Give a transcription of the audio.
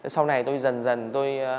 sau này tôi dần dần tôi